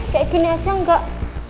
kayak gini aja enggak